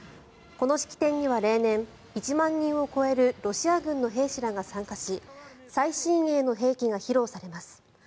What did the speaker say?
この式典には例年、１万人を超えるロシア軍の兵士らが参加し最新鋭の兵器が披露されます。